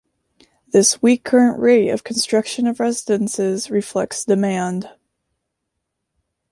This weak current rate of construction of residences reflects demand.